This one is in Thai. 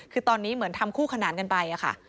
คือตอนนี้เหมือนทำคู่ขนานกันไปค่ะ